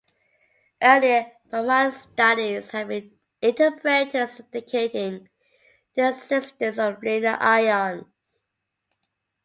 Earlier Raman studies had been interpreted as indicating the existence of linear ions.